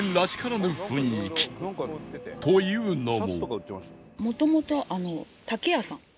というのも